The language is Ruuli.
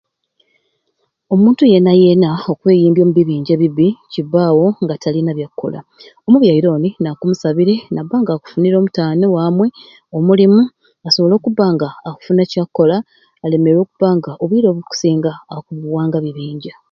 Omuntu yeena yeena okweimbya omu bibinja ebibbi kibbaawo nga talina byakukola omubyaire oni naakumusabire nabba nga afunire omutaanu wamwe omulimu asobole okubba nga akufuna ekyakukola alemeerwe okubba nga obwire obukusinga akubuwanga bibinja.